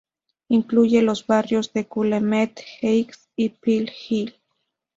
Incluye los barrios de Calumet Heights y Pill Hill.